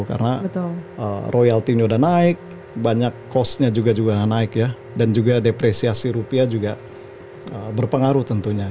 karena royaltinya udah naik banyak costnya juga juga naik ya dan juga depresiasi rupiah juga berpengaruh tentunya